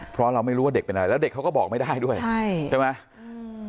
เพราะเราไม่รู้ว่าเด็กเป็นอะไรแล้วเด็กเขาก็บอกไม่ได้ด้วยใช่ใช่ไหมอืม